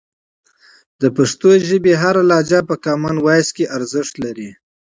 د پښتو ژبې هره لهجه په کامن وایس کې ارزښت لري.